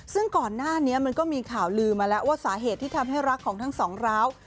ซึ่งก่อนหน้านี้มันก็มีข่าวลือมาแล้วว่าสาเหตุที่ทำให้รักของทั้งสองร้าว